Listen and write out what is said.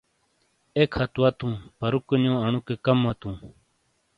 ایک ہَتھ وَتُوں، پَرُوکونیوانوکے کم وَتُوں۔